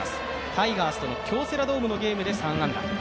タイガースとの京セラドームでの試合で３安打。